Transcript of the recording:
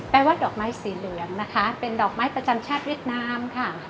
ว่าดอกไม้สีเหลืองนะคะเป็นดอกไม้ประจำชาติเวียดนามค่ะ